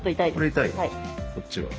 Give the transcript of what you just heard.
こっちは？